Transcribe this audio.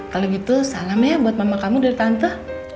kalo gitu salamnya buat mama kamu dari tante